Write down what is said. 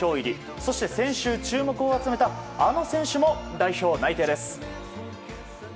そして先週注目を集めたあの選手も代表内定です。